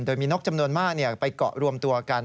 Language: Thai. โดยมีนกจำนวนมากไปเกาะรวมตัวกัน